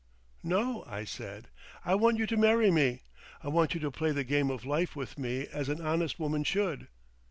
_" "No," I said. "I want you to marry me. I want you to play the game of life with me as an honest woman should.